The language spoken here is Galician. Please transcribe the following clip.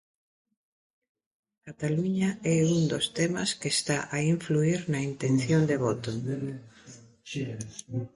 Cataluña é un dos temas que está a influír na intención de voto.